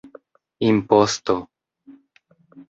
imposto